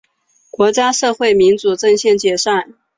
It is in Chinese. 国家社会民主阵线解散。